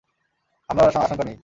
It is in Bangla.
হামলার আর আশঙ্কা নেই।